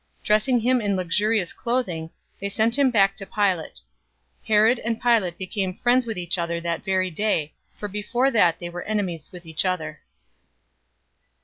Dressing him in luxurious clothing, they sent him back to Pilate. 023:012 Herod and Pilate became friends with each other that very day, for before that they were enemies with each other.